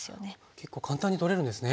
結構簡単に取れるんですね。